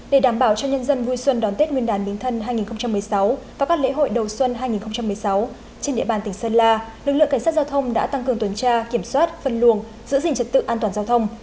để đảm bảo cho nhân dân vui xuân đón tết nguyên đán miếng thân hai nghìn một mươi sáu và các lễ hội đầu xuân hai nghìn một mươi sáu trên địa bàn tỉnh sơn la lực lượng cảnh sát giao thông đã tăng cường tuần tra kiểm soát phân luồng giữ gìn trật tự an toàn giao thông